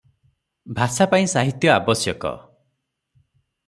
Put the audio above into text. ଭାଷା ପାଇଁ ସାହିତ୍ୟ ଆବଶ୍ୟକ ।